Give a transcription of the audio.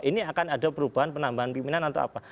ini akan ada perubahan penambahan pimpinan atau apa